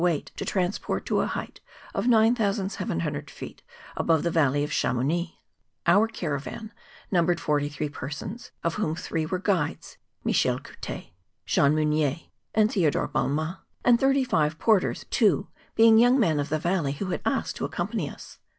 weight to transport to a height of 9750 feet above the Valley of Cha mounix Our caravan numbered forty three persons, of whom three were guides, Michel Couttet, Jean Mug nier, and Theodore Balmat; and thirty five por¬ ters, two being young men of the valley who had asked to accompany us.